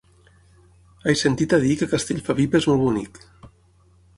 He sentit a dir que Castellfabib és molt bonic.